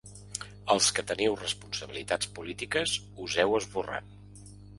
Els que teniu responsabilitats polítiques us heu esborrat.